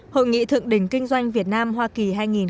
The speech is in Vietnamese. hội nghị thượng đỉnh kinh doanh việt nam hoa kỳ hai nghìn một mươi tám